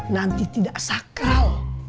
nanti tidak sakral